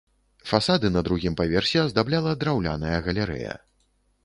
Фасады на другім паверсе аздабляла драўляная галерэя.